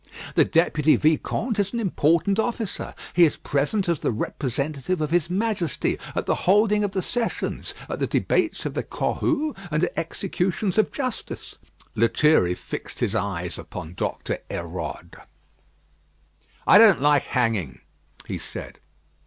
The Deputy Vicomte is an important officer. He is present as the representative of His Majesty at the holding of the Sessions, at the debates of the Cohue, and at executions of justice. Lethierry fixed his eye upon Doctor Hérode. "I don't like hanging," he said.